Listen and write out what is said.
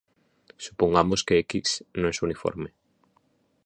Supongamos que "x" no es uniforme.